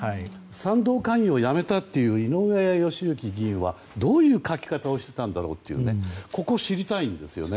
賛同会員を辞めたという井上義行議員はどういう書き方をしてたんだろうというここを知りたいんです。